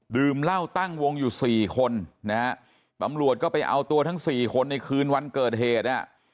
ดื่มเหล้าตั้งวงอยู่สี่คนนะฮะตำรวจก็ไปเอาตัวทั้งสี่คนในคืนวันเกิดเหตุอ่ะ